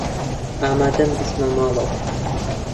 ئامادەم بچمە ماڵەوە.